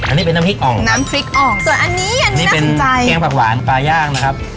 อันนี้เป็นน้ำพริกอ่องน้ำพริกอ่องส่วนอันนี้อันนี้เป็นแกงผักหวานปลาย่างนะครับ